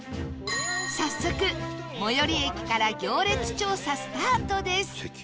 早速最寄り駅から行列調査スタートです